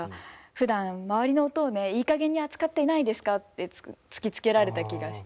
ふだん周りの音をねいいかげんに扱っていないですかって突きつけられた気がしていて。